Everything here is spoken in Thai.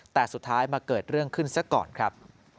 แต่สุดท้ายมาเกิดเรื่องขึ้นซะก่อนครับ